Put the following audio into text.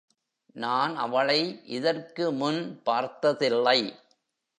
நான் அவளை இதற்கு முன் பார்த்ததில்லை.